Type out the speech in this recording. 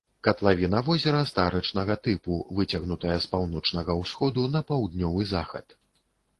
Катлавіна возера старычнага тыпу, выцягнутая з паўночнага ўсходу на паўднёвы захад.